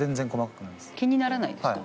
気にならないですか？